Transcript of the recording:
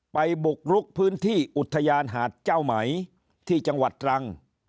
บุกรุกพื้นที่อุทยานหาดเจ้าไหมที่จังหวัดตรัง